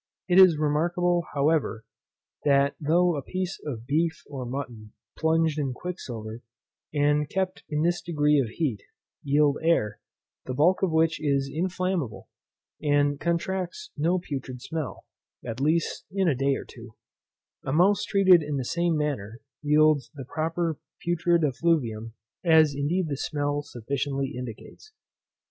It is remarkable, however, that though a piece of beef or mutton, plunged in quicksilver, and kept in this degree of heat, yield air, the bulk of which is inflammable, and contracts no putrid smell (at least, in a day or two) a mouse treated in the same manner, yields the proper putrid effluvium, as indeed the smell sufficiently indicates.